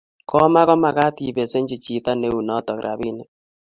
komkomagat ibesenchi chito neu notok rabinik